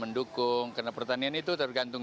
mendukung karena pertanian itu tergantung